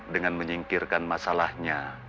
dengan menyingkirkan masalahnya